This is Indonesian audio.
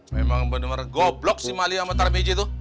memang bener bener goblok si mali sama tarbijie itu